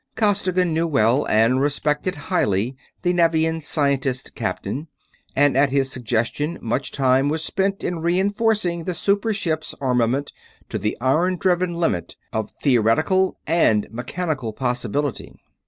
Costigan knew well and respected highly the Nevian scientist captain, and at his suggestion much time was spent in reenforcing the super ship's armament to the iron driven limit of theoretical and mechanical possibility.